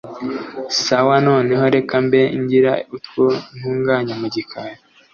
sawa noneho reka mbe ngira utwo ntunganya mugikari